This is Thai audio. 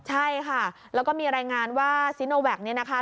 ใช่ค่ะแล้วก็มีรายงานว่าซีโนแวคเนี่ยนะคะ